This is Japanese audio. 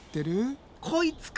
こいつか！